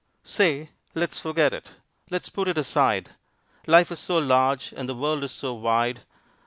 Say! Let's forget it! Let's put it aside! Life is so large and the world is so wide.